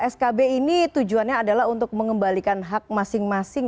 skb ini tujuannya adalah untuk mengembalikan hak masing masing